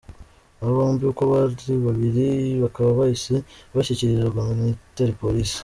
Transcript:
Aba bombi uko ari babiri bakaba bahise bashyikirizwa Military Police.